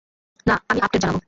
না, আমি আপডেট জানাব।